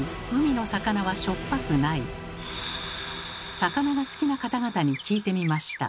魚が好きな方々に聞いてみました。